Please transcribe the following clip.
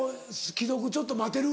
既読ちょっと待てる？